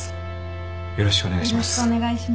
よろしくお願いします。